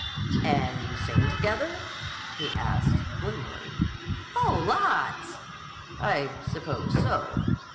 "And you sing together?" he asked gloomily. "Oh, lots!" "I suppose so."